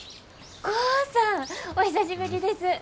豪さんお久しぶりです。